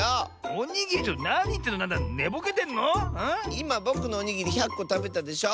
いまぼくのおにぎり１００こたべたでしょ！